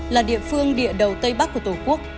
là địa phương địa đầu tây bắc của tổ quốc